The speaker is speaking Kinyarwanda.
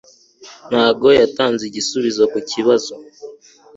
Ntabwo yatanze igisubizo kubibazo.